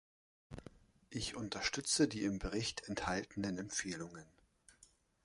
Ich unterstütze die im Bericht enthaltenen Empfehlungen.